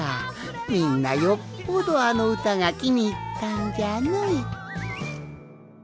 みんなよっぽどあのうたがきにいったんじゃの。